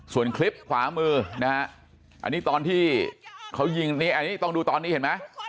ส่วนคลิปขวามือนะฮะอันนี้ตอนที่เขายิงนี่อันนี้ต้องดูตอนนี้เห็นไหม